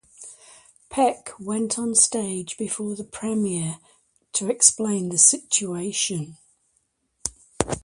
Peck went on stage before the premiere to explain the situation.